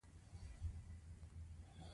بوتل د شیدو، اوبو او جوس لپاره ډېر کارېږي.